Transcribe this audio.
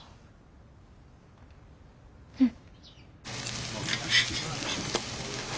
うん。